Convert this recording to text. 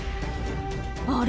あれ？